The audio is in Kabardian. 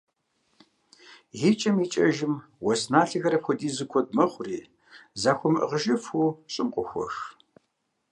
ИкӀэм икӀэжым, уэс налъэхэр апхуэдизу куэд мэхъури, захуэмыӀыгъыжыфу, щӀым къохуэх.